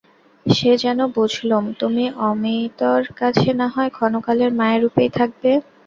সে যেন বুঝলুম, তুমি অমিতর কাছে নাহয় ক্ষণকালের মায়া-রূপেই থাকবে।